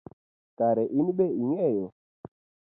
Kare inbe ing’eyo?